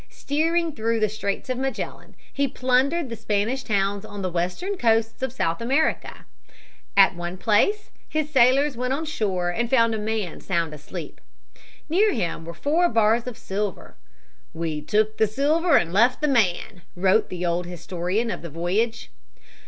Steering through the Straits of Magellan, he plundered the Spanish towns on the western coasts of South America. At one place his sailors went on shore and found a man sound asleep. Near him were four bars of silver. "We took the silver and left the man," wrote the old historian of the voyage.